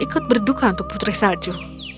ikut berduka untuk putri salju